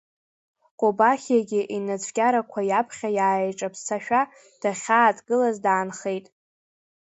Кобахьиагьы инацәкьарақәа иаԥхьа иааиҿаԥсашәа дахьааҭгылаз даанхеит.